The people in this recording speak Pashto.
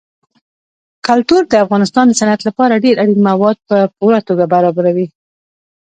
کلتور د افغانستان د صنعت لپاره ډېر اړین مواد په پوره توګه برابروي.